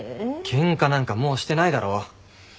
ケンカなんかもうしてないだろ。